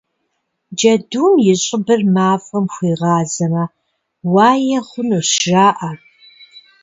Джэдум и щӏыбыр мафӏэм хуигъазэмэ, уае хъунущ, жаӏэ.